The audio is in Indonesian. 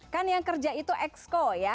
kan yang kerja itu exco ya